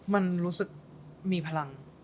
มันรู้สึกมีพลัง